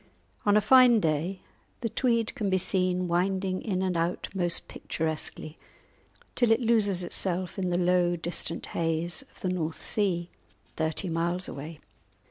On a fine day the Tweed can be seen winding in and out most picturesquely, till it loses itself in the low distant haze of the North Sea, thirty miles away.